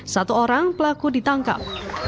satu orang pelaku ditangkap